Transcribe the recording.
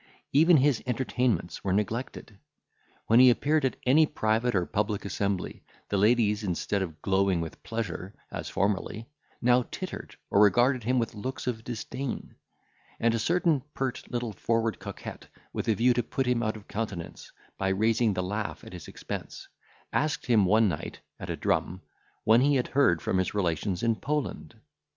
Even his entertainments were neglected; when he appeared at any private or public assembly, the ladies, instead of glowing with pleasure, as formerly, now tittered or regarded him with looks of disdain; and a certain pert, little, forward coquette, with a view to put him out of countenance, by raising the laugh at his expense, asked him one night, at a drum, when he had heard from his relations in Poland?